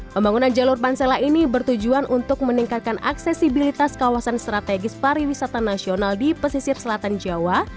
pembangunan jalur pansela ini bertujuan untuk meningkatkan aksesibilitas kawasan strategis pariwisata nasional di pesisir selatan jawa